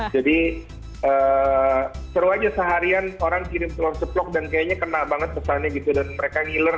jadi seru aja seharian orang kirim telur ceplok dan kayaknya kena banget pesannya gitu dan mereka ngiler